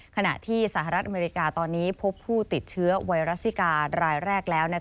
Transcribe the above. ขณะที่สหรัฐอเมริกาตอนนี้พบผู้ติดเชื้อไวรัสซิการายแรกแล้ว